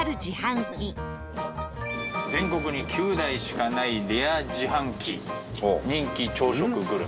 土屋：「全国に９台しかないレア自販機」「人気朝食グルメ」